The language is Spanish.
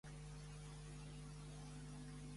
Island Special" y escenas eliminadas.